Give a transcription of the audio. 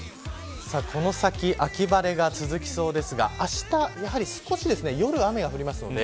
この先、秋晴れが続きそうですがあした、やはり少し夜雨が降るので